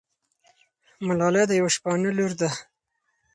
ملالۍ د یوه شپانه لور ده.